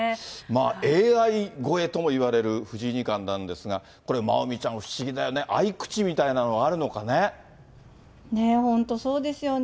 ＡＩ超えとも言われる藤井二冠なんですが、これ、まおみちゃん、不思議だよね、本当、そうですよね。